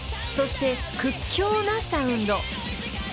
［そして屈強なサウンド］